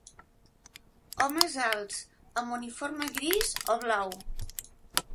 Homes alts, amb uniforme gris o blau